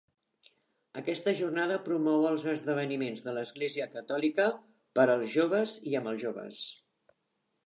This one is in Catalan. Aquesta jornada promou els esdeveniments de l'Església Catòlica per als joves i amb els joves.